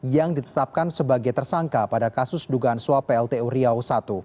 yang ditetapkan sebagai tersangka pada kasus dugaan suap pltu riau i